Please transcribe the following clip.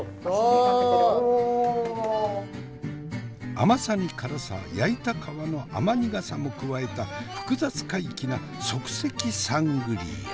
甘さに辛さ焼いた皮の甘苦さも加えた複雑怪奇な即席サングリア。